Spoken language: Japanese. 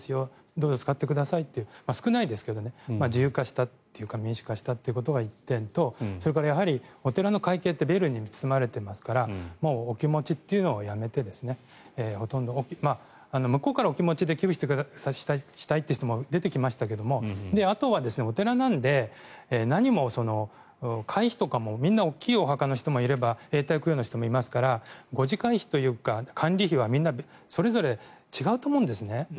どうぞ使ってくださいという少ないですが自由化したというか民主化したことが１点とお寺の会計ってベールに包まれてますからお気持ちっていうのをやめて向こうからお気持ちで寄付したいっていう人も出てきましたがあとはお寺なので何も会費とかもみんな大きいお墓の人もいれば永代供養の人もいますから護持会費というか管理費はみんなそれぞれ違うと思うんです